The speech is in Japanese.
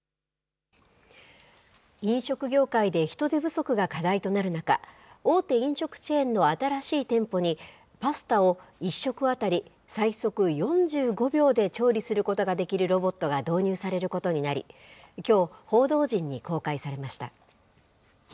飲食業界で人手不足が課題となる中、大手飲食チェーンの新しい店舗に、パスタを１食当たり最速４５秒で調理することができるロボットが導入されることになり、きょう、報道陣に公開されました。